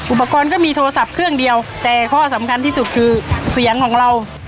อุปกรณ์ก็มีโทรศัพท์เครื่องเดียวแต่ข้อสำคัญที่สุดคือเสียงของเรา